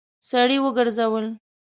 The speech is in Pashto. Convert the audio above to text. سړی وګرځول.